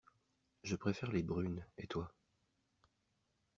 Je préfère les brunes, et toi?